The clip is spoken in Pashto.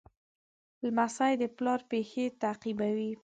لمسی د پلار پېښې تعقیبوي.